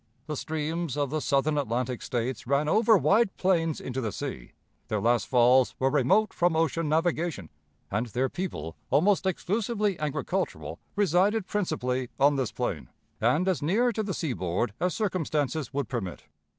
The streams of the Southern Atlantic States ran over wide plains into the sea; their last falls were remote from ocean navigation; and their people, almost exclusively agricultural, resided principally on this plain, and as near to the seaboard as circumstances would permit.